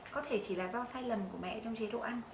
có thể chỉ là do sai lầm của mẹ trong chế độ ăn